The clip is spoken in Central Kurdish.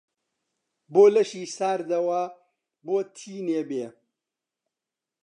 بۆ لەشی ساردەوە بوو تینێ بێ؟